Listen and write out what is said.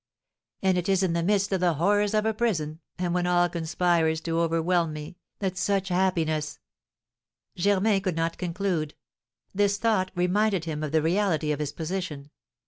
"And it is in the midst of the horrors of a prison, and when all conspires to overwhelm me, that such happiness " Germain could not conclude. This thought reminded him of the reality of his position.